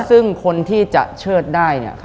ซึ่งคนที่จะเชิดได้ต้องเป็นคนที่